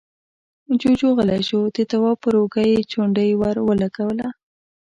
جُوجُو غلی شو، د تواب پر اوږه يې چونډۍ ور ولګوله: